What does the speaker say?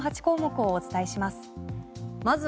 今朝はご覧の８項目をお伝えします。